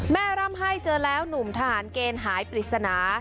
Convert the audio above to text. ร่ำไห้เจอแล้วหนุ่มทหารเกณฑ์หายปริศนา